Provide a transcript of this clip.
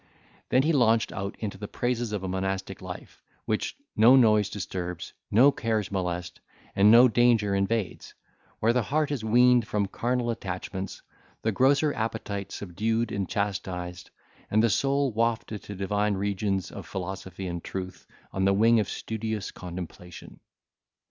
Then he launched out into the praises of a monastic life, which no noise disturbs, no cares molest, and no danger invades—where the heart is weaned from carnal attachments, the grosser appetite subdued and chastised, and the soul wafted to divine regions of philosophy and truth, on the wing of studious contemplation.